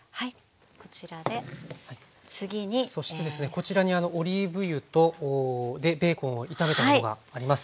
こちらにオリーブ油とベーコンを炒めたものがあります。